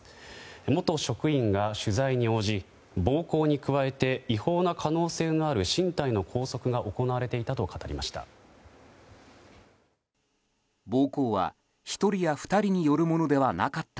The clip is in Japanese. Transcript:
元職員が取材に応じ暴行に加えて違法な可能性がある身体の拘束が行われていたと語りました。